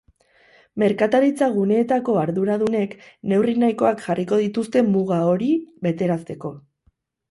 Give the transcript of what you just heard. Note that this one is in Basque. Merkataritza-guneetako arduradunek neurri nahikoak jarriko dituzte muga hori betearazteko.